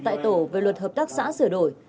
tại tổ về luật hợp tác xã sửa đổi